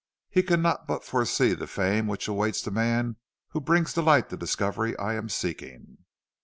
He cannot but foresee the fame which awaits the man who brings to light the discovery I am seeking.'